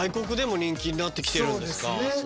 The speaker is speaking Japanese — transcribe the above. そうですね